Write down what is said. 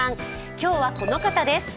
今日はこの方です。